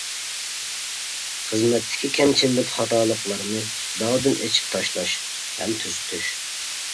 خىزمەتتىكى كەمچىلىك خاتالىقلارنى دادىل ئېچىپ تاشلاش ھەم تۈزىتىش.